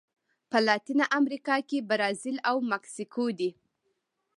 په لاتینه امریکا کې برازیل او مکسیکو دي.